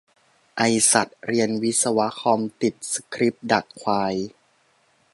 ไอสัสเรียนวิศวคอม ติดสคริปดักควาย !